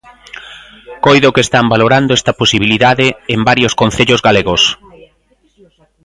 Coido que están valorando esta posibilidade en varios concellos galegos.